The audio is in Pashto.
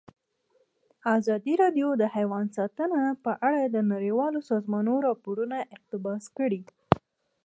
ازادي راډیو د حیوان ساتنه په اړه د نړیوالو سازمانونو راپورونه اقتباس کړي.